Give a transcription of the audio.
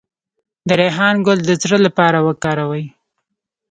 د ریحان ګل د زړه لپاره وکاروئ